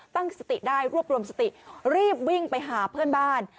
ตั้งสติได้รวบรวมสติรีบวิ่งไปหาเพื่อนบ้าน